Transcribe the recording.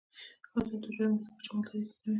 آزاد تجارت مهم دی ځکه چې مالداري ښه کوي.